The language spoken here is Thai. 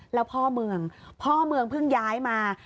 แล้วพ่อเมืองเพิ่งย้ายมา